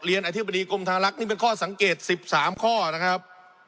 อธิบดีกรมธลักษณ์นี่เป็นข้อสังเกต๑๓ข้อนะครับ